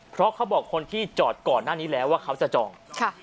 เพราะเขาบอกคนที่จอดก่อนหน้านี้แล้วว่าเขาจะจองค่ะ